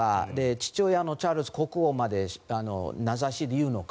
父親のチャールズ国王まで名指しで言うのか。